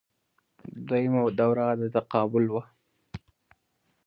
دویمه دوره د تقابل وه